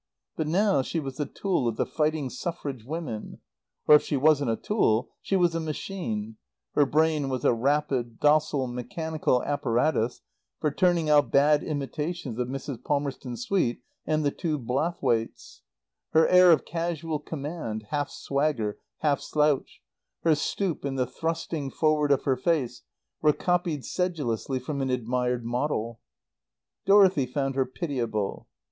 But now she was the tool of the fighting Suffrage Women. Or if she wasn't a tool, she was a machine; her brain was a rapid, docile, mechanical apparatus for turning out bad imitations of Mrs. Palmerston Swete and the two Blathwaites. Her air of casual command, half swagger, half slouch, her stoop and the thrusting forward of her face, were copied sedulously from an admired model. Dorothy found her pitiable.